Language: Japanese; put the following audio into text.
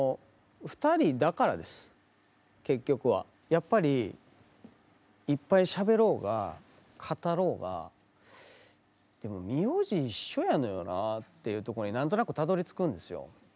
やっぱりいっぱいしゃべろうが語ろうがでも名字一緒やのよなあっていうとこに何となくたどりつくんですよ。